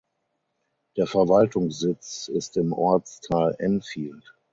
Der Verwaltungssitz ist im Ortsteil Enfield.